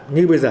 như bây giờ